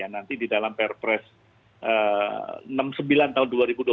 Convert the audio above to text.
nanti di dalam perpres enam puluh sembilan tahun dua ribu dua puluh